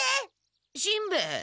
しんべヱ？